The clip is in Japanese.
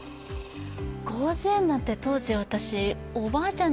広辞苑なんて当時、おばあちゃん